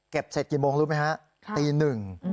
เสร็จกี่โมงรู้ไหมฮะตีหนึ่ง